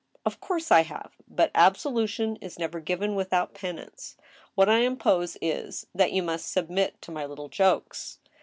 " Of course I have. But absolution is never given without pen ance. What I impose is, that you must submit to my little jokes."